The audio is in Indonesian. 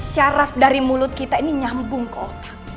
syaraf dari mulut kita ini nyambung ke otak